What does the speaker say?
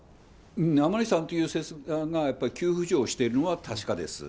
甘利さんという説が急浮上しているのは確かです。